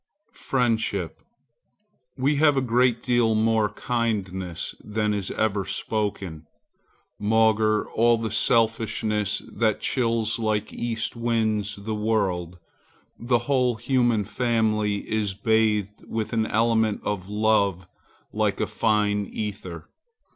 FRIENDSHIP We have a great deal more kindness than is ever spoken. Maugre all the selfishness that chills like east winds the world, the whole human family is bathed with an element of love like a fine ether.